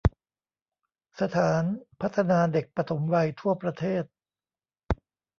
สถานพัฒนาเด็กปฐมวัยทั่วประเทศ